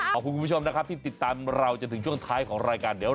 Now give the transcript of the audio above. คุณผู้ชมนะครับที่ติดตามเราจนถึงช่วงท้ายของรายการเดี๋ยว